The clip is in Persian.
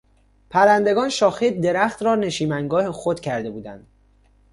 پرندگان شاخهی درخت را نشیمنگاه خود کرده بودند.